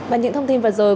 bằng những thông tin vừa rồi